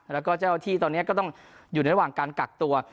และที่ตอนนี้ก็ต้องอยู่ระหว่างการกักตัว